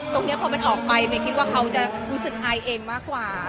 ตรงนี้พอมันออกไปเมย์คิดว่าเขาจะรู้สึกอายเองมากกว่า